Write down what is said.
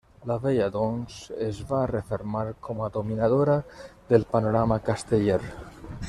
La Vella, doncs, es va refermar com a dominadora del panorama casteller.